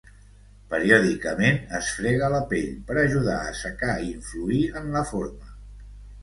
Periòdicament es frega la pell per ajudar a assecar i influir en la forma.